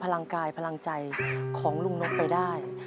ลังกายพลังใจของลุงนกไปได้